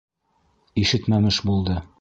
Ишетмәмеш булды.